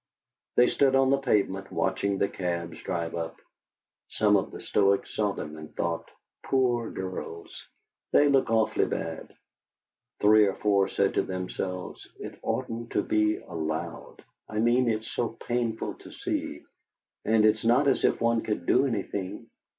They stood on the pavement, watching the cabs drive up. Some of the Stoics saw them and thought: '.oor girls! they look awfully bad.' Three or four said to themselves: "It oughtn't to be allowed. I mean, it's so painful to see; and it's not as if one could do anything.